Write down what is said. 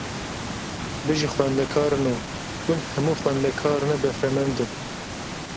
Bijî xwendekarino, hûn hemû xwendekarine behremend in!